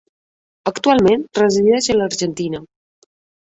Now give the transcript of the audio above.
Actualment resideix a l'Argentina.